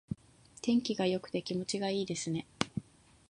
天気が良くて気持ちがいいですね。